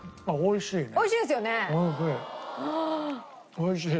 おいしい。